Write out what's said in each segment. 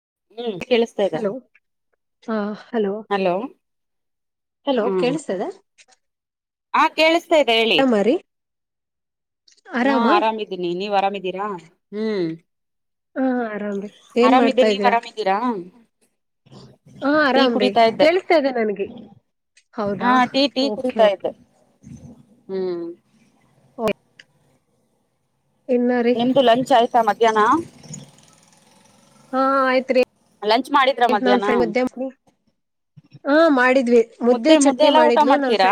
ಹ್ಮ್ ಕೇಳಿಸ್ತಾ ಇದ್ದ ಹಲೋ ಹ ಹಲೋ ಹಲೋ ಹ್ಮ್ ಕೇಳಿಸತದೆ ಹಾ ಕೇಳ ಹೇಳಿ ಹಾ ಆರಾಮಾ ಆರಾಮಿದ್ದೀನಿ ನೀವ್ ಆರಾಮೀ ರಾ ಹ್ಮ್ ಹಾ ಆರಾಮ್ರರಿ ಏನ್ ಆರಾಮಿದ್ದೆ ಮಾಡ್ತಾ ನೀವ್ ಇದ್ದೀರಾ ಆರಾಮಿದ್ದೀರಾ ಹಾ ಟೀ ಆರಾಮ್ರೀ ಕುಡಿತಾ ಇದ್ದೆ ಕೇಳಿಸ್ತಾದೆ ನನ್ಗೆ ಹೌದಾ ಹಾ ಟೀ ಟೀ ಓಕೆ ಕುಡಿತಾ ಕೆ ಇದ್ದೆ ಹ್ಮ್ ಹೌ [inaudible] ನಿಮ್ದು ಲಂಚ್ ಆಯ್ತು ಮಧ್ಯಾಹ್ನ ಹಾ ಆಯ್ತ್ರಿ ಲಂಚ್ ಮಾಡಿದ್ರ ನನ್ ಮಧ್ಯಾಹ್ನ ಫ್ರಂಡ್ ಹ ಮಾಡ ಮುದ್ದೆ ಚಟ್ನಿ ಎಲ್ಲಾ ಊಟ ಮಾಡಿದ್ಲು ನ ಮಾಡ್ತೀರಾ ಫ್ರ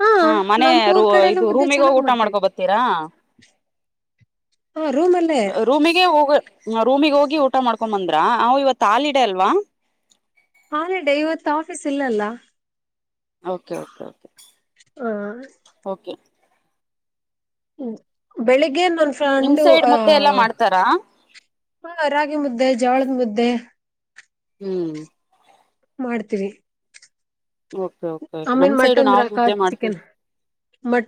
ಹ ಹಾ ಮನೆ ರೂ ನಮ್ಮರ್ ಕಡೆ ಇದು ಮುದ್ದೆ ರೂಮಿಗೆ ಚನ್ನ ಹೋಗಿ ಊಟ ಮಾಡ್ವಿ ಮಾಡ್ಕೊ ಬತ್ತೀರಾ ರೂಲ್ಲ ರೂಮಿಗೆ ಹೋಗ ರೂಮಿಗೆ ಹೋಗಿ ಊಟ ಮಾಡ್ಕೊ ಬಂದ್ರ ಅವವು ಇವತ್ ಹಾಲ ಇಡ ಅಲ್ವಾ ಹಾಲೆಡೆ ಇವತ್ತು ಆಫೀಸ್ ಇಲ್ಲಲ್ಲ ಓಕೆ ಓಕೆ ಓಕೆ ಹಾ ಓಕೆ ಹ್ಮ್ ಬೆಳಿಗ್ಗೆ ಈ ನನ್ ನಿಮ್ ಫ್ರಂಡು ಸೈಡ್ ಅ ಮುದ್ದೆ ಎಲ್ಲಾ ಮಾಡ್ತಾರಾ ಹ ರಾಗಿ ಮುದ್ದೆ ಜವಳದ ಮುದ್ದೆ ಹ್ಮ್ ಮಾಡ್ತೀರಿ ಓಕೆ ಓಕೆ ಐ ಓಕೆ ನಮ್ ಮೀನ್ ಸೈಡು ನಾವು ಮಟನ್ಕ ಮುದ್ದೆ ಮಾಡ್ತೀವಿ ಚಿಕನ್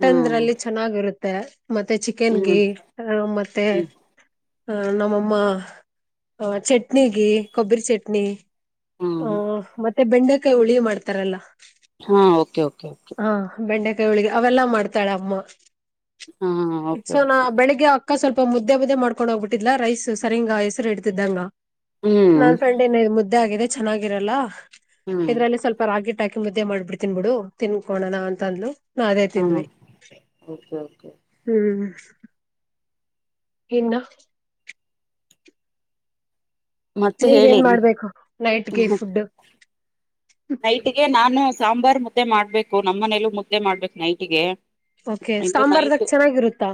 ಹ್ಮ್ ಚೆನ್ನಾಗಿರುತ್ತೆ ಮತ್ತೆ ಹ್ಮ್ ಚಿಕನ್ಗೆ ಮತ್ತೆ ಹ್ಮ್ ಹ ನಮ್ಮಮ್ಮ ಚಟ್ನಿಗ ಕೊಬ್ಬರಿ ಚಟ್ನಿ ಹ್ಮ್ ಹ್ಮ ಮತ್ತೆ ಮತ್ತೆ ಬೆಂಡೆಕಾಯಿ ಉಳಿ ಮಾಡ್ತಾರಲ್ಲಾ ಹಾ ಓಕೆ ಓಕೆ ಓಕೆ ಹಾ ಬೆಂಡೆಕಾಯಿ ಕೈ ಹಳಿಗೆ ಅವೆಲ್ಲಾ ಮಾಡ್ತಾಳ ಅಮ್ಮ ಹಾ ಸೋ ಓಕೆ ನಾ ಬೆಳಗ್ಗೆ ಅಕ್ಕ ಸ್ವಲ್ಪ ಮುದ್ದ ಮುದ್ದೆ ಮಾಡ್ಕೊಂದುಹೊಗ್ಬಿಟ್ಟಿದ್ದಿಲ್ಲ ರೈಸ್ ಸರಿಯಂಗ ಹೆಸರು ಇಡ್ತಿದ್ದಂಗ ಹ್ಮ್ ನನ್ ಫ್ರೆಂಡ್ ಏನ ಮುದ್ದೆ ಆಗಿದೆ ಚೆನ್ನಾಗಿರಲ್ಲ ಹ್ಮ್ ಇದ್ರಲ್ಲಿ ಸ್ವಲ್ಪ ರಾಗಿ ಹಾಕಿಂಗ್ದೆ ಮಾಡಿಬಿಡ್ತೀನ್ ಬಿಡು ತಿನ್ಕೊಳಣ ಅಂತಂದಂದು ನಾ ಅದೇ ಹಾ ತಿಂದ್ವಿ ಓಕೆ ಓಕೆ ಹ್ಮ್ [inaudible] ಇನ್ನ ಮತ್ತೆ ನೀವ ನ್ ಹೇಳೇನಿ ಮಾಡ್ಬೇಕು ನೈಟ್ಗೆ ಫುಡ್ ನೈಟ್ಗೆ ನಾ ನಾನು ಸಾಂಬಾರ್ ಮುದ್ದೆ ಮಾಡ್ಬೇಕು ನಮ್ಮನೇಲ್ಲೂ ಮುದ್ದೆ ಮಾಡ್ಬೇಕು ನೈಟ್ಗೆ ಓಕೆ ಇನ್ನು ಸಾಂಬಾರ್ದಾಗ ನೈಟ್ ಚೆನ್ನಾಗಿರುತ್ತಾ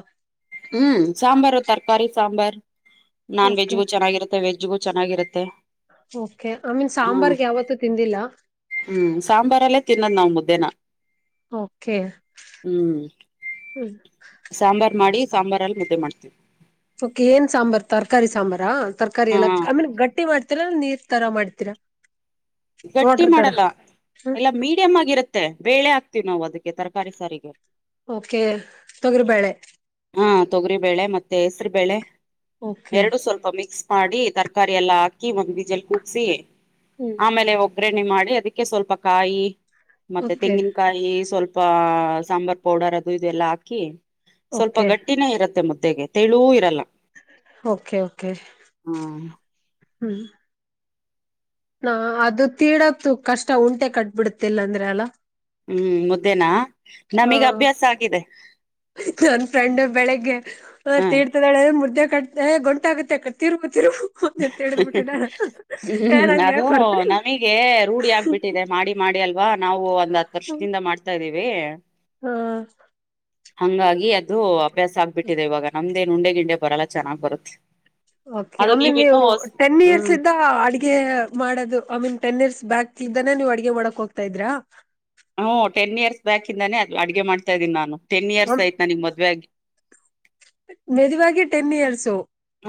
ಹ್ಮ್ ಸಾಂಬಾರು ತರಕಾರಿ ಸಾಂಬಾರ್ ನಾನ್ ಓಕೆ ವೆಜ್ಗೂ ಚೆನ್ನಾಗಿರುತ್ತೆ ವೆಜ್ಗೂ ಚೆನ್ನಾಗಿರುತ್ತೆ ಓಕೆ ಐ ಮೀನ್ ಹ್ಮ್ ಸಾಂಬಾರ್ಗೆ ಯಾವತ್ತು ತಿಂದಿಲ್ಲ ಹ್ಮ್ ಸಾಂಬಾರಲ್ಲೇ ತಿನ್ನೋದ್ ನಾವು ಅದೆನಾ ಓಕೇ ಹು ಸಾಂಬಾರ್ ಮಾಡಿ ಸಾಂಬಾರಲ್ಲಿ ಮುದ್ದೆ ಮಾಡ್ತೀವಿ ಕೆ ಏನ್ ಸಾಂಬಾರ್ ತರಕಾರಿ ಸಾಂಬಾರಾ ತರಕಾರಿ ಹಾ ಎಲ್ಲ ಆಮೇಲೆ ಗಟ್ಟಿ ಮಾಡ್ತೀರ ನೀರ್ ತರಾ ಮಾಡ್ತೀರಾ ಗಟ್ಟಿ ವಾಟರ್ ತರ ಮಾಡಲ್ಲ ಹ್ಮ್ ಎಲ್ಲ ಮೀಡಿಯಮ್ ಆಗಿರುತ್ತೆ ಮತ್ತೆ ಬೇಳೆ ಆಾಕ್ತಿವಿ ನಾವು ಅದಕ್ಕೆ ತರಕಾರಿ ಸಾರಿಗೆ ಓಕೆ ತೊಗರಿರ್ಬೇಳೆ ತೊಗರಿಬೇಳೆ ಮತ್ತೆ ಹೆಸರುಬೇಳೆ ಓಕೆ ಎರಡು ಸ್ವಲ್ಪ ಮಿಕ್ಸ್ ಮಾಡಿ ತರ್ಕಾರಿ ಎಲ್ಲಾ ಹಾಕಿ ಒಂದ್ ವೀಜಲ್ ಕೂಗ್ಸಿ ಹ್ಮ್ ಆಮೇಲೆ ಒಗ್ಗರಣೆ ಮಾಡಿ ಅದಕ್ಕೆ ಸ್ವಲ್ಪ ಕಾಯಿ. ಮತ್ತೆ ಓಕೆ ತೆಂಗಿನಕಾಯಿ ಸ್ವಲ್ಪ. ಪ ಸಾಂಬಾರ್ ಪೌಡರ್ ಅದು ಇದೆಲ್ಲ ಹಾಕಿ. ಸ್ವಲ್ಪ ಓಕೆ ಗಟ್ಟಿನೇ ಇರುತ್ತೆ ಮೊದೆ. [unintelligible] ತಳುವೂ ಇರಲ್ಲ. Okay okay. ಹ ಹ್ಮ್. ಹಾ ಅದು ತೀಡತ್ತು ಕಷ್ಟ ಉಂಟೆ ಕಟ್ಟಿಬಿಡುತ್ತೆ ಇಲ್ಲ ಅಂದ್ರೆ ಅಲ. ಹ್ಮ್ ಮುದ್ದೇನಾ. ಹ ನನ್ ಫ್ರೆಂಡ್ ಬೆಳಿಗ್ಗೆ ಹ ತೀಡತ್ತಿದಾಳೆ ಮುದ್ದೆ. ಹೇ ಗೊಂಟ್ ಆಗುತ್ತೆ ಕ್ಕ ತಿರುಗ ಏ ಹ್ಮ್ ನಂಗೆ ಅದು ಬರ್ತಾ ಇಲ್ಲ ನಮಗೆ ರೂಢಿ ಆಗ್ಬಿಟ್ಟಿದೆ ಮಾಡಿ ಮಾಡಿ ಅಲ್ವಾ ನಾವು ಒಂದ್ ಹತ್ ವರ್ಷದಿಂದ ಮಾಡ್ತಾ ಇದ್ದೀವಿ. [unintelligible] ಹ್. ಹಂಗಾಗಿ ಅದು. ಅಭ್ಯಾಸ ಆಗ್ಬಟ್ಟಿದೆ ಇಗ ನಮ್ ತ್ತೇನ ಉಂಡೆ ಗಿಂಡೆ ಬರಲ್ಲ ಚೆನ್ನಾಗ ಬರುತ್ತ. ಓಕೆ ಆಮೇನೆ ದು ಟೆನ್ ಇಯರ್ಸ್ ಹ್ಮ್ ಇದ್ದ ಅಡಗೆ ಮಾಡೋದು ಅವನ್ ಟೆನ್ ಇಯರ್ಸ್ ಬ್ಯಾಕ್. ಇದನ್ನೇ ನೀವ್ ಅಡ್ಗೆ ಮಾಡಕ್ ಹೋಗ್ತಾ ಇದ್ರಾ. ಹ್ಮ್ ಟೆನ್ ಇಯರ್ಸ್ ಬ್ಯಾಕ್ ಇಂದಾನೆ ಅ ಅಡ್ಗೆ ಮಾಡ್ತಾ ಇದೀನಿ ನಾನು. ಟೆನ್ ಇಯರ್ ಆಯ್ತಾ ನಿಮ್ ಮದುವೆಯಾಗಿ. ಮೆದುವವಾಗಿ ಟೆನ್ ಇಯರ್ಸು.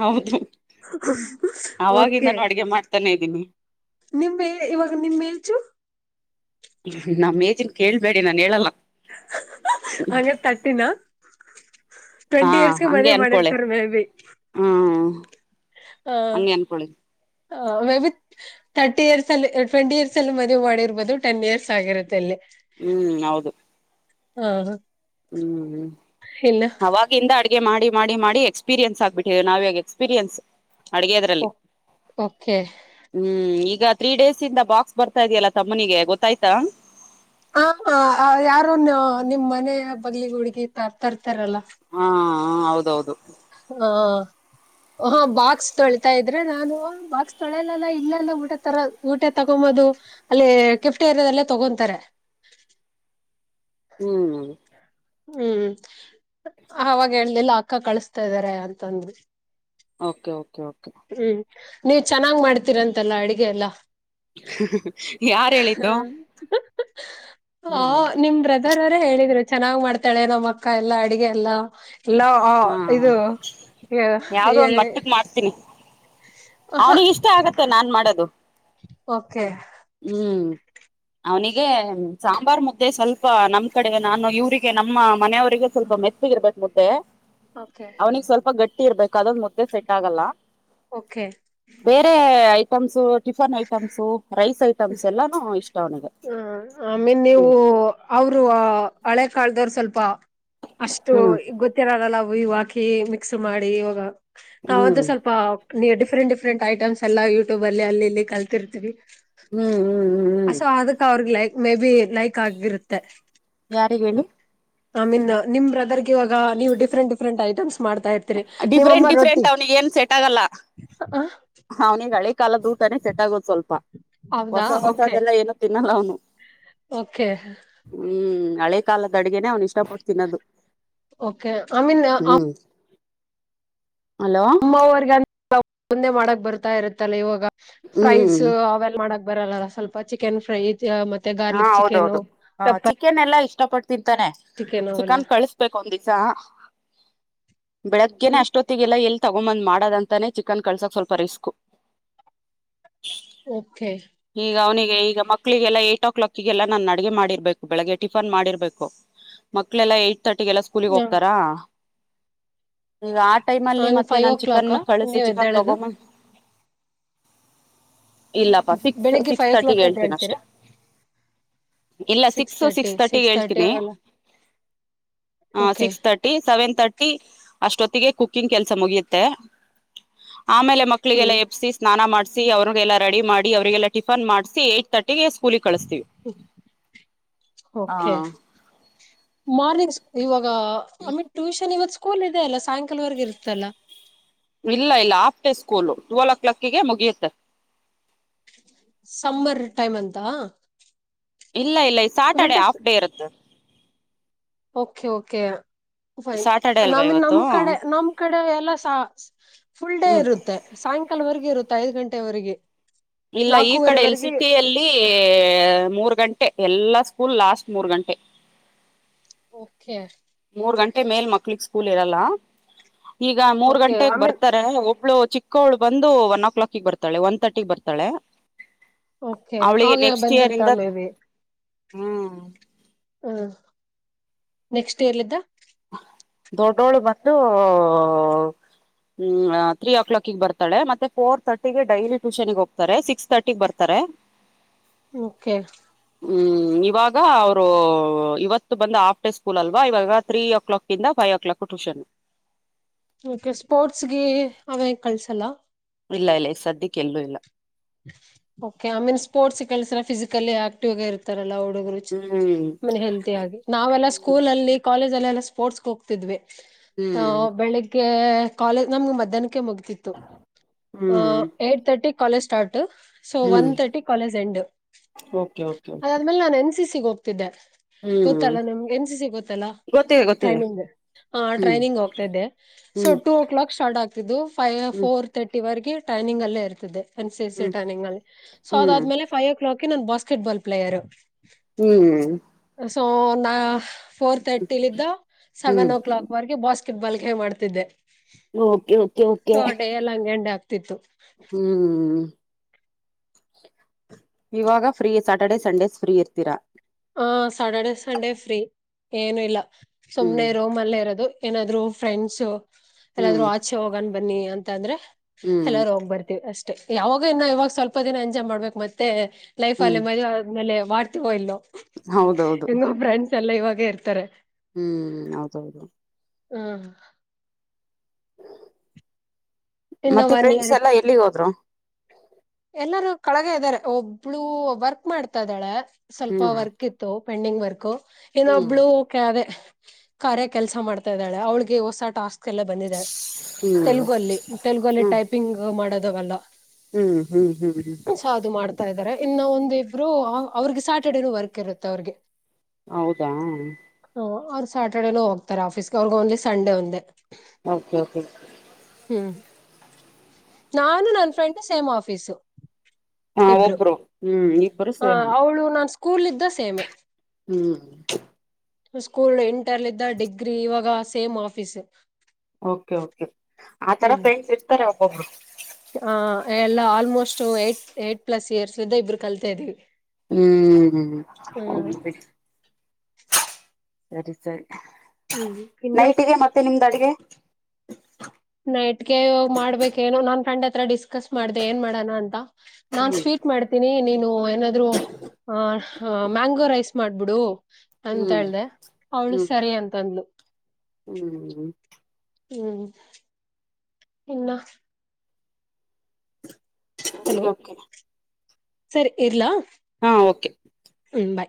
ಹೌದು ಓಕೆ ಅವಾಗಿಂದಾನು ಅಡ್ಗೆ ಮಾಡ್ತಾನೆ ಇದ್ದೀನಿ ನಿಮ್ ಏ ಇವಾಗ ನಿಮ್ ಏಜ್ ಜು. ನಮ್ ಏಜಿನ ಕೇಳ್ಬೇಡಿ ನಾನನ್ ಹೇಳಲ್ಲ. ಹಂಗೆ ತಟ್ಟಿನ ಹಾ ಟ್ವೆಂಟಿ ಇಯರ್ಸ್ಗೆ ಹಂಗೆ ಮದವೆ ಅನ್ಕೊಳೆ ಮಾಡಿರ್ತಾರ ಮೇ ಬಿ. ಹ್ಮ್ ಹಂಗೆ ಅನ್ಕೊಳ್ಳಿ.. ಆ ಮೇ ಬಿ ತರ್ಟಿ ಇಯರ್ಸ್ ಅಲ್ಲಿ ಟ್ವೆಂಟಿ ಇಯರ್ಸ್ ಅಲ್ಲಿ ಮದುವಿ ಮಾಡಿರ್ಬೋದು ಟೆನ್ ಇಯರ್ಸ್ ಆಗಿರುತ್ತೆ ಇಲ್ಲಿ. ಹ್ಮ್ ಹೌದು ಹ ಹ್ಮ್ ಇಲ್ಲ ಅವಾಗಿಂದ ಆಡಿ ಹೀಗೆ ಮಾಡಿ ಮಾಡಿ ಎಕ್ಸ್ಪೀರಿಯನ್ಸ್ ಆಗ್ಬಿಟ್ಟಿದ್ದ ನಾವ ಇವಗ ಎಕ್ಸ್ಪೀರಿಯನ್ಸ್. ಅಡಿಗೆದ್ರಲ್ಲಿ ಓಕೆ ಹ್ಮ್ ಈ ಈಗ ತ್ರೀ ಡೇಸ್ ಇಂದ ಬಾಕ್ಸ್ ಬರ್ತಾ ಇದೆಯಲ್ಲಾ ತಮ್ಮನಿಗೆ ಗೊತ್ತಾಯ್ತಾ. ಆ ಹ ಆ ಯಾರು ನಿಮ್ ಮನೆಯ ಬಗ್ಲಿ ಹುಡ್ಗಿ ಈತ ತರ್ತ ತರಲ್ಲ ಹಾ ಹೌದೌದು ಓಹೋ ಬಾಕ್ಸ್ ತೊಳಿತಾ ಇದ್ರೆ ನಾನು ಬಾಕ್ಸ್ ತೊಳಲ್ಲಲ್ಲ ಇಲ್ಲೆಲ್ಲ ಊಟ ತರ ಊಟೆ ತಗೊಂಬದು ಅಲ್ಲಿ ಕೇಫಿಟೀರಿಯಾದಲ್ಲೇ ತಗೊಂತಾರೆ. ಹ್ಮ್ ಹ್ಮ್ ಅವಾಗ ಹೇಳ್ಲಿಲ್ಲ. ಅಕ್ಕ ಕಳಸ್ತಾ ಇದಾರೆ ಅಂತಂದ್ರು. Okay okay okay. ನೀವ್ ಚೆನ್ನಾಗ್ ಮಾಡ್ತೀರಂತಲ್ಲ ಅಡಗೆ ಎಲ್ಲಾ. ಯಾರ್ ಹ ಹೇಳಿದ್ದು ಅಹ್ ಹ್ಮ್ ಅಹ್ ನಿಮ್ ಬ್ರದರ್ ಅವರೇ ಹೇಳಿದ್ರು. ಚೆನ್ನಾಗ್ ಮಾಡ್ತಾಳೆ ನಮ್ಮ್ ಅಕ್ಕ ಎಲ್ಲಾ ಅಡಗೆ ಎಲ್ಲ. ಎಲ್ಲಾ ಆ ಹಾ ಇದು ಎ ಎರೆ. ಅವ್ನಿಗೆ ಇಷ್ಟ ಆಗತ್ತೆ ನಾನ್ ಮಾಡದು. ಓಕೆ ಹ್ಮ್ ಅವನಿಗೆ ಸಾಂಬಾರ್ ಮುದ್ದೆ ಸ್ವಲ್ಪ ನಮ್ ಕಡೆ ನಾನು ಇವ್ರಿಗೆ ನಮ್ಮ ಮನೆಯವ್ರ್ ರಿಗು ಸ್ವಲ್ಪ ಮೆತ್ತಗ್ ಇರ್ಬೇಕ್ ನೋ ದೆ ಓಕೆ ಅವ್ನಿಗೆ ಸ್ವಲ್ಪ ಗಟ್ಟಿ ಇರ್ಬೇಕು ಅದೊಂದ್ ಮುದ್ದೆ ಸೆಟ್ ಆಗಲ್ಲ. ಓಕೆ ಬೇರೆ items. Tiffin items rice items ಎಲ್ಲಾನು ಇಷ್ಟ ಅವನಿಗೆ. ಹ ಆಮೇನ್ ಹ್ಮ ಕಾಲ್ದವ್ರ್ ಸ್ವಲ್ಪ. ಅಷ್ಟು ಈಗ ಗೊತ್ತಿರದಲ್ಲ ಓ ಇವ್ ಹಾಕಿ ಮಿಕ್ಸ್ ಮಾಡಿ ಇವಾಗ. ಅವದು ಹ್ಮ್ ಸ್ವಲ್ಪ. ನೀ ದೋಫರೆಂಟ್ ಡಿಫ್ರಂ ಐಟ್ಸ್ ಎಲ್ಲ ಯಟ್ಯೂಬ್ ಅಲ್ಲಿ ಅಲ್ಲಿಲ್ಲಿ. ಕಲ್ತಿರ್ತಿವಿ. ಹ್ಮ್ ಹ್ಮ್ ಹ್ಮ್ ಹ್ಮ್ ಅವ್ರಗ್ ಲೈಕ್ ಮೇ ಬಿ ಲೈಕ್ ಆಗಿರುತ್ತೆ. ಯಾರಿಗೆ ಹೇಳಿ ಐ ಮೀನ್ ನಿಮ್ ಬ್ರದರ್ಗ್ ಗೆ ಇವಗ ನೀವು ಡಿಫ್ರೆಂಟ್ ಡಿಫೆರೆಂಟ್ ಐಟಮ್ಸ್. ಮಾಡ್ತಾ ಇರ್ತೀರಿ ನಿಮ್ಮಮ್ಮ ಡಿಫ್ರೆಂಟ್ ರೊಟ್ಟಿ ಡಿಫ್ರೆಂಟ್ ಅವ್ನಿಗೆ ಏನ್ ಸೆಟ್ ಆಗಲ್ಲ ಅ ಅವ್ನಿನಿಗಳೇ ಕಾಲ ಉಟನೆ ಸೆಟ್ ಆಗೋದ್ ಸ್ವಲ್ ಪ್ಪ ಹೌದಾ ಹೊಸ ಓಕೆ ಹೊಸಾಗೆಲ್ಲ ಏನು ಸೆ ತಿನಲ್ಲ ಅವ್ನು. ಓಕೆ ಹಳೆ ಕಾಲದ ಅಡಗೆನ ಅವ್ನು ಇಷ್ಟಪಟ್ಟತಿನದು ಓಕೆ ಐ ಮೀನ್ ಹಲೋ ಅಮ್ಮವರ್ಗ ಮುಂದೆ ಮಾಡಕ್ ಬರ್ತಾ ಇರತ್ತಲ್ಲ ಇವಾಗ ಫ್ರೈಸ್ ಹ್ಮ್ ಅವೆಲ್ಲ ಮಾಡಕ್ ಬರಲ್ಲ ಸ್ವಲ್ಪ ಚಿಕನ್ ಫ್ರೈ ಮತ್ತೆ ಹಾ ಗಾರ್ಲಿಕ್ ಚಿಕನು ಹೌದೌದು ಹ ಪೆಪ್ಪರ್ ಚಿಕನ್ ಎಲ್ಲಾ ಇಷ್ಟ ಟ್ಟ ತಿಂತಾನೆ ಚಿಕನ್ ಕಳಿಸ್ಬೇಕು ಒಂದಿ ಸಹ ಬೆಳಗ್ಗೆನೆ ಹ್ಮ್ ಅಷ್ಟೊತ್ತಿಗೆಲ್ಲ ಎ ತಗೊಂಬಂದ್ ಮಾಡದಂತಾನೇ ಚಿಕನ್ ಕಳ್ಸೋಕ್ ಸ್ವಲ್ಪ ರಿಸ್ಕು ಓಕೆ ಈಗ ಅವನಿಗೆ ಈಗ ಮಕ್ಕಳಿಗೆಲ್ಲ ಏ್ಟಟ್ ಓ ಕ್ಲಾಕ್ಗೆಲ್ಲ ನನ್ನ ಅಡಗೆ ಮಾಡಿರ್ಬೇಕು ಬೆಳಿಗ್ಗೆ ಟಿಫನ್ ಮಾಡಿರ್ಬೇಕು ಮಕ್ಕಳೆಲ್ಲಾ ಏ ತಟ್ಟಿಗೆಲ್ಲ ಸ್ಕೂಲಿಗೆ ಹೋಗ್ತಾರಾ ಹ ಆ ಟೈಮ್ ಅಲ್ಲಿ ಮತ್ತೆ ಫೈವ್ ಓ ನಾನ್ ಚಿಕನ್ ಕ್ಲಾಕ್ ಕಳಿಸಿ ನೀವ್ ಚಿಕನ್ ಎದ್ದೇಳದು ತಗೊಮ್ಮ ಇಲ್ಲಪ್ಪಾ ಸಿಕ್ಕ ಬೆಳಗ್ ಫೈವ ಓ ಕ್ಲಾಕ್ ಎದ್ದೇಳ್ತೀರಾ ಇಲ್ಲ ಸಿಕ್ಸ್ ಸಿಕ್ಸ್ ತರ್ಟಿ ಹೇಳ್ತೀನಿ ಹ okay six thirty seven thirty ಅಷ್ಟೊತ್ತಿಗೆ ಕುಕ್ಕಿಂಗ್ ಕೆಲಸ ಮುಗಿಯುತ್ತೆ ಆಮೇಲೆ ಮಕ್ಳಿಗೆಲ್ಲ ಹ್ಮ್ ಎಬ್ಬಸಿ ಸ್ನಾನ ಮಾಡ್ಸ ಅವ್ರಿಗೆಲ್ಲ ರೆಡಿ ಮಾಡಿ ಅವರಿಗೆಲ್ಲ ಟಫನ್ ಮಾಡಿ ಏಟ್ ತಟಿ ಹಗ ಸ್ಕೂಲಿಗೆ ಕಳಸ್ತೀವಿ ಹಾ ಓಕೆ ಮಾರ್ನಿಂಗ್ ಇವಾಗ ಟ್ಯೂಶನ್ ಇ ಸ್ಕೂಲ್ ಇದೆ ಅಲ್ಲ ಸಾಯಂಕಾಲವರೆಗ ಇರ್ತಲ್ಲ ಇಲ್ಲ ಇಲ್ಲ ಆಫಡೇ ಸ್ಕೂಲು ಟೂ ಕ್ಲಾಕಿಗೆ ಮುಗಿಯುತ್ತೆ ಸಮ್ಮರ್ ಟೈಮ್ ಅಂತ ಇಲ್ಲ ಇಲ್ಲ ಈ ಸಾಟರ್ಡೆ ವಿಂಟರ್ಸ್ ಆಫ್ ಡೇ ಇರುತ್ತೆ ಓಕೆ ಓಕೆ ಫೈನ್ ಸ್ಯಾಟರ್ಡೆ ಅಲ್ವಾ ನಮನ್ ಇವತ್ತು ನಮ ಕಡೆ ನಮ್ ಕಡೆ ಎಲ್ಲ ಫುಲ್ ಡೇ ಹ್ಮ್ ಇರುತ್ತೆ ಸಾಯಕಾಲವರೆಗ ಇರುತ್ತ ಐದು ಗಂಟೆವರೆಗೆ. ಇಲ್ಲ ಈ ಕಡಲ್ಲಿ ನಾಲ್ಕೂವರೆವರೆಗೆ ಸಿಟಿಿಯಲ್ಲಿ ಮೂರ್ ಗಂಟೆ ಎಲ್ಲಾ ಸ್ಕೂಲ್ ಲಾಸ್ಟ್ ಮೂರ್ ಗಂಟೆ. ಓಕೆ ಮೂರ್ ಗಂಟೆ ಮೇಲ್ ಮಕ್ಳಗ್ ಸ್ಕೂಲ್ ಇರಲ್ಲ. ಈಗ ಮೂರ್ ಓಕೆ ಐ ಗಂಟೆಗ್ ಮೀನ್ ಬರ್ತಾರೆ ಒಬ್ಳು ಚಿಕ್ ಚಕ್ಕೋಳು ಬಂದು ಒನ್ ಓ ಕ್ಲಾಕ ಬರ್ಾಳ ಒನ್ ತರ್ಟಿ ಬರ್ತಾಳೆ. ಓಕೆ ಅವಳಿಗೆ ಅವ ನೆಕ್ಸ್ಟ್ ಇಯರ್ ಬಂದಿರ್ತ ಇಂದ ಮೇಬಿ ಹ್ಮ್ ಹ್ಮ ನೆಕ್ಸ್ಟ್ ಇಯರ್ಲ ಇದ್ದ. ದೊಡ್ಡೋಳು ಬಂದು ತ್ರೀ ಕ್ಲಾಕಿಗೆ ಬರ್ತಾಳೆ ಮತ್ತೆ ಫೋರ್ ತರ್ಟಿಗೆ ಡೈಲಿ ಟ್ಯೂಷನ್ಗೆ ಹೋಗ್ತಾರೆ ಸಿಕ್ಸ್ ತರ್ಟಿ ಬರ್ತಾರೆ. ಓಕೆ ಹ್ಮ ಇವಾಗ ಅವರು ಇವತ್ತು ಬಂದ ಆಾಫ್ ಡೇ ಸ್ಕೂಲ್ ಅಲ್ವಾ ಇವಾಗ ತ್ರೀ ಓ ಕ್ಲಾಕ್ ಇಂದ ಫೈವ್ ಓ ಕ್ಲಾಕ್ ಇಂದ ಟ್ಯೂಷನ್ ಓಕೆ ಸ್ಪೋರ್ಟ್ಸ್ಗೆ ಅವೇ ಕಳ್ಸಲ್ಲ. ಇಲ್ಲ ಇಲ್ಲ ಸದ್ಯಕ್ಕೆ ಎಲ್ಲೂ ಇಲ್ಲ. ಓಕೆ ಐ ಮೀನ್ ಸ್ಪೋರ್ಟ್ಸ್ ಕೆಲ್ಸರ ಫಿಸಿಕಲಿ ಆಕ್ಟಿವ್ ಆಗ ಇತಾರಲ್ಲ. ಮ ಹೆಲ್ ಆಗಿ ನಾವೆಲ್ಲ ಹ್ಮ್ ಸ್ಕೂಲ್ ಅಲ್ಲಿ ಕಾಲೇಜ್. ಲ್ಲ ಸ್ಪೋರ್ಟ್ಸ್ಗೆ ಹೋಗ್ತಿದೀವಿ ಹ ಹ್ಮ್ ಬೆಳಿಗ್ಗೆ ಕಾಲೇಜ ನಮ್ ಮಧ್ಯಾಹ್ಕ್ಕೆ ಮುಗ್ ತಿತು ಹ್ಮ್ eight thirty. College start so one ಹ್ಮ್ thirty college end okay okay okay ಅದಾದ್ಮೇಲೆ ನಾನು ಎನ್ ಸಿ ಸಿ ಗ ಹೋಗ್ತಿದ್ದೆ. ಹ್ಮ್ ಗೊತ್ತಲ್ಲ ನಮ ಎನ್ ಸಿ ಸಿ ಗೊತ್ತಲ್ಲ ಗೊತ್ತಿದೆ ಗೊತ್ತಿದೆ ಟ್ರೈನಿಂಗ್ ಹ ಹ್ಮ್ ಟ್ರೈನಿಂಗ್ ಹೋಗ್ತಾ ಇದ್ದೆ ಸೊ ಹ್ಮ್ ಟು ಕ್ಲಾಕ್ ಸ್ಟಾರ್ಟ್ ಆಗ್ ತಿತು ದೂ ಫೈವ ಹ್ಮ್ ಫೋರ್ ತರ್ಟಿಿವರೆಗೆ. ಟೈಮಿಂಗ್ ಅಲ್ಲೇ ಇರ್ತದೆ ಏನ್ ಸಿ ಸಿ ಹ್ಮ್ ನಿಲ್ಲಿ ಸೊ ಅದಾದ್ಮೇಲೆ ೈವ್ ಓ ಕ್ಲಾಕ್ಗೆ ನನ್ ಬಸ್ ಕೆಟ್ಾಲ್್ಲೇಯರ್. ಹ್ಮ್ ಸೊ ನಾ ಫೋರ್ ತರ್ಟಿಲಿದ್ದ ಹ್ಮ್ ಸೆವೆನ್ ಓ ಕ್ಲಾಕ್ ವರೆಗೆ ಬಾಸ್ ಕಿಟ್ ಬಾಲ್ ಗೇಮ್ ಅಡ್ತಿದೆ ಓಕೆ ಓಕೆ ಓಕೆ ಹಂಗೆ ಹಂಗೆ ಆಗ್ತಿತ್ತು ಹ್ಮ್ ಇವಾಗ ಫ್ರೀ ಸಾಟರ್ಸ್ದಯ್ ಸಂಡೇಸ್ ಫ್ರೀ ಇರ್ತೀರ ಹ ಸ್ಯಾಟರ್ಡೆ ಸಂಡೇ ಫ್ರೀ ಏನು ಇಲ್ಲ ಹ್ಮ್ ಸುಮ್ನೆ ರೋಮ್ ಅಲ್ಲೇ ಇರೋದು ಏನಾದ್ರು ಫ್ರೆಂಡ್ಸು ಹ್ಮ್ ಎಲ್ಲಾದ್ರರು ಆಚೆ ಹೋಗಣ ಬನ್ನಿ ಅ ಅಂತಂದ್ರೆ ಹ್ಮ್ ಎಲ್ಲರೂ ಹೋಗ್ ಬರ್ತೀವಿ ಅಷ್ಟೆ ಯಾವಾಗ ಇನ್ನ ಇವಾಗ ಸ್ವಲ್ಪ ದಿನ ಎಂಜಾಯ್ ಮಾಡ್ಬೇಕು ಮತ್ತೆ ಲೈಫ್ ಹ್ಮ್ ಅಲ್ಲಿೇ ಮದ್ವೆ ಆದ್ಮೇಲೆ ಮಾಡ್ತೀವೋ ಇಲ್ಲೋ ಹೌದೌದು ಹೆಂಗೋ ಎಲ್ಲ ಫ್ರೆಂಡ್ಸ್ ಇವಾಗ ಇರ್ತಾರೆ ಹ್ಮ್ ಹೌದೌದು ಹ್ಮ್ ಇನ್ನ ಮತ್ತೆ ಒನ್ ಫ್ರೆಂಡ್ಸ್ ಇಯರ್ ಎಲ್ಲ ಎಲ್ಲಿಗೆ ಹೋದ್ರು ಎಲ್ಲರೂ ಕೆಳಗ ಇದ್ದಾರೆ ಒಬ್ಳು ವರ್ಕ್ ಮಾಡ್ತಾ ಇದ್ದಾಳೆ ಸ್ವಲ್ಪ ಹ್ಮ್ ವರ್ಕ್ ಇತ್ತು ಪೆಂಡಿಂಗ್ ವರ್ಕು ಏನ ಹ್ಮ್ ಒಬ್ಳು ಅದೆ ಕಾರ್ಯ ಕೆಲ್ಸ ಮಾಡ್ತಾ ಇದ್ದಾಳೆ ಅವಳಿಗೆ ಹೊಸ ಟಾಸ್ತಿ ಲ್ಲ ಬಂದಿದೆ ಹ್ಮ್ ಹ್ಮ್ ತೆಲುಗು ಅಲ್ಲಿ ತೆಲುಗು ಅಲ್ಲಿ ಟೈಪಿಂಗ್ ಮಾಡ ಅವೆಲ್ಲ ಹ್ಮ್ ಹ್ಮ್ ಹ್ಮ್ ಹ್ಮ್ ತಾ ಇದಾರೆ ಇನ್ನು ಒಂದಿಬ್ರು ಅವ್ರಿಗೆ ಸ್ಯಾಟರ್ಡೇನುೂ ವರ್ಕ್ ಇರುತ್ತೆ ಅವ್ರಿಗೆ ಹೌದಾ ಸ್ಯಾಟರ್ಡೇನೂ ಹೋಗ್ತಾರೆ ಆಫೀಸ್ಗೆ ಅವ್ರಗೆ ಓನ್ಲಿ ಸಂಡೆ ಒಂದೇ ಓಕೆ ಓಕೆ ಹ್ಮ್ ನಾನು ನನ್ ಫ್ರೆಂಡ್ ಸೇಮ್ ಆಫೀಸ್ ಆಫೀಸ್ ಹಾ ಒಬ್ರು ಹ್ಮ್ ಇಬ್ಬರು ಆ, ಸೇಮ್ ಅವಳು ನಾನು ಸ್ಕೂಲ್ ಯಿಂದ ಸೇಮೆ ಹ್ಮ್ ಸ್ಕೂಲ್ ಇಂಟರ್ಲ್ ಯಿಂದ ಡಿಗ್ರಿ ಇವಾಗ ಸೇಮ್ ಆಫೀಸ್ ಓಕೆ ಓಕೆ ಆತರ ಫ್ರೆಂಡ್ಸ್ ಇರ್ತಾರೆ ಒಬ್ರು. ಹ ಎಲ್ಲಾ almost eight eight plus years ಇಂದ ಇಬ್ರು ಕಲ್ತಾ ಇದೀವಿ. ಹ್ಮ್ ಹ್ಮ್ ಸರಿ ಸರಿ. ಹ್ಮ್ ಇನ್ನ ನೈಟಿಗೆ ಮತ್ತೆ ನಿಮ್ದ ಅಡಿಗೆ ನೈಟ್ ಗೆ ಮಾಡ್ಬೇಕ ಏನೋ ನನ್ ಫ್ರೆಂಡ್ ಹತ್ರ ಡಿಸ್ಕಸ್ ಮಾಡ್ದೆ ಏನ್ ಮಾಡೋಣ ಅಂತ. ನಾನ್ ಹ್ಮ್ ಸ್ವೀಟ್ ಮಾಡ್ತೀನಿ ನೀನ್ [unintelligible] ಏನಾದ್ರೂ ಮ್ಯಾಂಗೋ ರೈಸ್ ಮಾಡ ಬಿಡು ಅಂತ ಹ್ಮ್ ಹೇಳ್ದ ಅವಳು ಹ್ಮ್ ಸರಿ ಅಂತಂದ್ಲು. ಹ್ಮ್ ಹ್ಮ್ ಇನ್ನ ಓಕೇ ಹಲೋ ಓಕೇ. ಸರಿ ಇಡ್ಲ. ಹಾ ಓಕೆ ಬಾಯ್